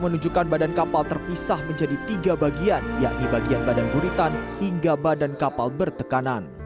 menunjukkan badan kapal terpisah menjadi tiga bagian yakni bagian badan buritan hingga badan kapal bertekanan